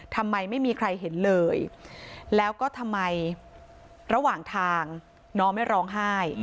ทำไมไม่มีใครเห็นเลยแล้วก็ทำไมระหว่างทางน้องไม่ร้องไห้